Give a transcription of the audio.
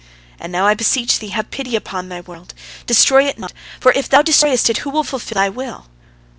And now I beseech Thee, have pity upon Thy world, destroy it not, for if Thou destroyest it, who will fulfil Thy will?"